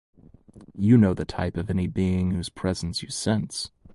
You know the type of any being whose presence you sense.